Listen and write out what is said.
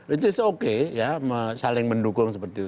which is okay ya saling mendukung seperti itu